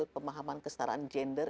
pemahaman kestaraan gender